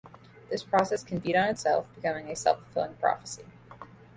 This process can feed on itself, becoming a self-fulfilling prophecy.